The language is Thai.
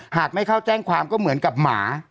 ไม่เข้าแจ้งความก็เหมือนกับหมา